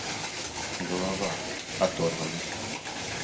Голова оторвана.